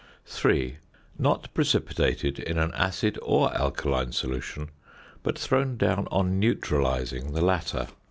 3. _Not precipitated in an acid or alkaline solution, but thrown down on neutralising the latter.